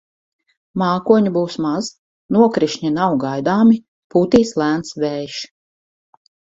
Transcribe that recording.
Mākoņu būs maz, nokrišņi nav gaidāmi, pūtīs lēns vējš.